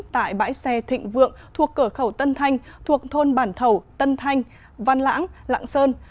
tại bãi xe thịnh vượng thuộc cửa khẩu tân thanh thuộc thôn bản thầu tân thanh văn lãng lạng sơn